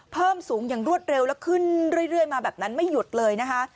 เพิ่มสูงอย่างรวดเร็วแล้วขึ้นเรื่อยมาแบบนั้นไม่หยุดเลยนะคะ